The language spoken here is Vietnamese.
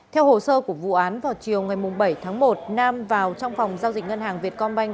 theo hồ sơ của vụ án vào chiều ngày bảy tháng một nam vào trong phòng giao dịch ngân hàng việt công banh